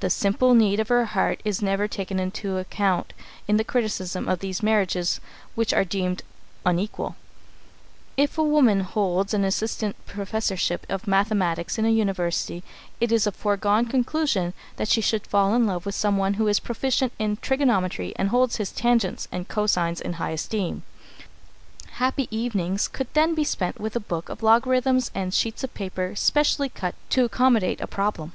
The simple need of her heart is never taken into account in the criticism of these marriages which are deemed "unequal." If a woman holds an assistant professorship of mathematics in a university, it is a foregone conclusion that she should fall in love with someone who is proficient in trigonometry and holds his tangents and cosines in high esteem. Happy evenings could then be spent with a book of logarithms and sheets of paper specially cut to accommodate a problem.